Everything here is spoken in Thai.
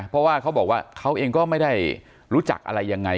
เพราะว่าเขาบอกว่าเขาเองก็ไม่ได้รู้จักอะไรยังไง